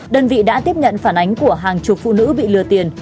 đơn vị đã tiếp nhận phản ánh của hàng chục phụ nữ bị lừa tiền